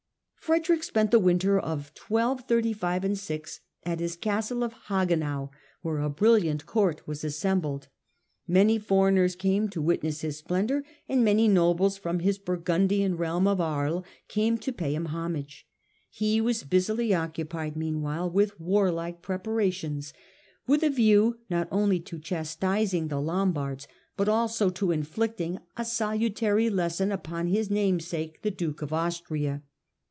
Frederick spent the winter of 1235 6 at his castle of Hagenau, where a brilliant Court was assembled. Many foreigners came to witness his splendour, and many nobles from his Burgundian realm of Aries came to pay him homage. He was busily occupied, meanwhile, with warlike preparations, with a view not only to chastising the Lombards, but also to inflicting a salutary lesson upon his namesake, the Duke of Austria.